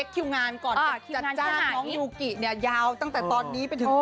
คิวงานยาวนี่